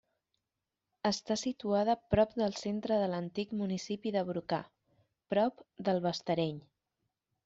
Està situada prop del centre de l'antic municipi de Brocà, prop del Bastareny.